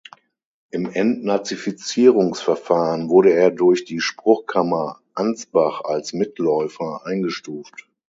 Im Entnazifizierungsverfahren wurde er durch die Spruchkammer Ansbach als "Mitläufer" eingestuft.